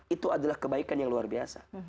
itu adalah kebaikan yang luar biasa